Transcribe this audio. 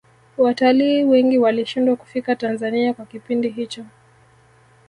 watalii wengi walishindwa kufika tanzania kwa kipindi hicho